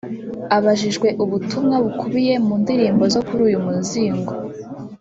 Abajijwe ubutumwa bukubiye mu ndirimbo zo kuri uyu muzingo